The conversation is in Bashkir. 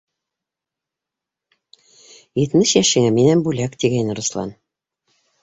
«Етмеш йәшеңә минән бүләк», - тигәйне Руслан.